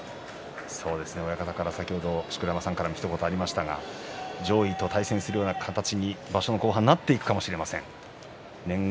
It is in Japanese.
親方から錣山さんからひと言ありましたが上位と対戦するような形に場所の後半なっていくのかもしれません。